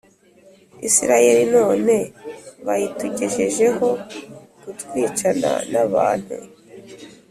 Isirayeli none bayitugejejeho kutwicana n abantu